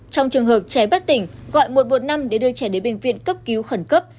trong trường hợp trẻ bất tỉnh gọi một trăm một mươi năm để đưa trẻ đến bệnh viện cấp cứu khẩn cấp